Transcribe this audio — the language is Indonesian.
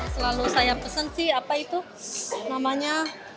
selalu saya pesan sih apa itu namanya